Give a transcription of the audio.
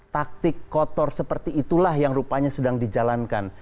taktik kotor seperti itulah yang rupanya sedang dijalankan